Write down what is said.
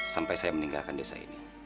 sampai saya meninggalkan desa ini